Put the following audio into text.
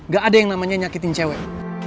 gak ada yang namanya nyakitin cewek